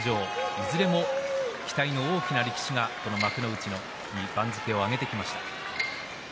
いずれも期待の大きな力士がこの幕内の土俵に番付を上げてきました。